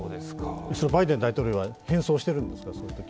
バイデン大統領は変装しているんですか？